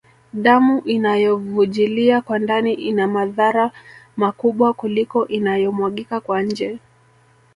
Damu inayovujilia kwa ndani ina madhara makubwa kuliko inayomwagika kwa nje